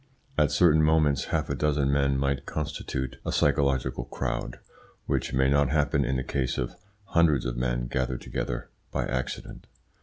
At certain moments half a dozen men might constitute a psychological crowd, which may not happen in the case of hundreds of men gathered together by accident.